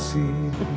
sini ngantikan rena ya